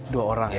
dua orang ya